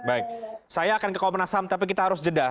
baik saya akan ke komnas ham tapi kita harus jeda